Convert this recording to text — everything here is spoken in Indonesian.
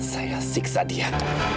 saya siksa dia